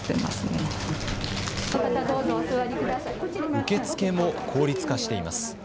受け付けも効率化しています。